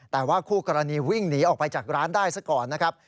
แต่ว่าคู่กรณีวิ่งหนีออกไปจากร้านได้ซะก่อนนะครับ